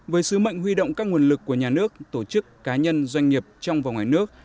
với sứ mệnh huy động các nguồn lực của nhà nước tổ chức cá nhân doanh nghiệp trong và ngoài nước